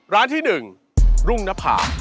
ร้านที่หนึ่งรุ่งนภาษณ์